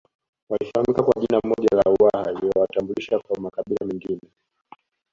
Walifahamika kwa jina moja la Uwaha lililowatambulisha kwa makabila mengine